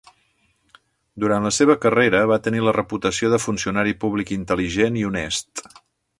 Durant la seva carrera, va tenir la reputació de funcionari públic intel·ligent i honest.